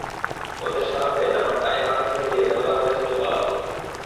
ওদের সাড়া পেয়ে দানবটা এমাকে ছেড়ে দিয়ে জানালা গলে ছুটে পালাল।